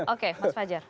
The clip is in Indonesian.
oke mas fajar